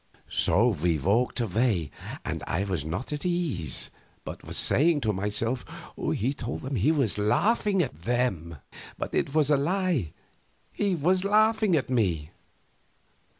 So we walked away, and I was not at ease, but was saying to myself, "He told them he was laughing at them, but it was a lie he was laughing at me."